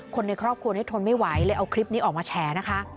คนในครอบครัวนี้ทนไม่ไหวเลยเอาคลิปนี้ออกมาแฉนะคะ